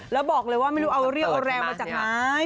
แล้วบอกเลยว่าไม่รู้เอาเรี่ยวเอาแรงมาจากไหน